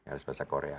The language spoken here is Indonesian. harus bahasa korea